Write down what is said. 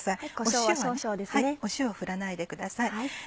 塩は振らないでください。